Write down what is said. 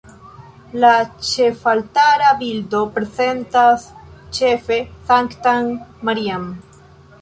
La ĉefaltara bildo prezentas ĉefe Sanktan Marian.